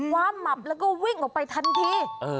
ความหมับแล้วก็วิ่งออกไปทันที